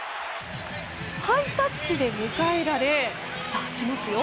ハイタッチで迎えられさあ、来ますよ。